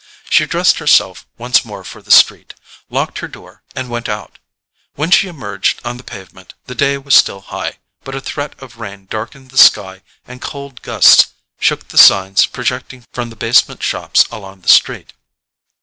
She dressed herself once more for the street, locked her door and went out. When she emerged on the pavement, the day was still high, but a threat of rain darkened the sky and cold gusts shook the signs projecting from the basement shops along the street.